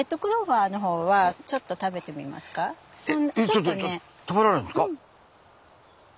ちょっと食べられるんですか？